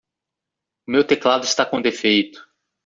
O meu teclado está com defeito.